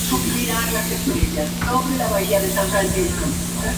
Se trata de Ángel encadenado en la cama y Cordelia abandonándolo así".